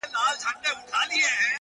بيا د تورو سترګو و بلا ته مخامخ يمه!!